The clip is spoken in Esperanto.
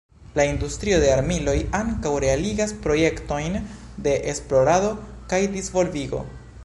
La industrio de armiloj ankaŭ realigas projektojn de esplorado kaj disvolvigo.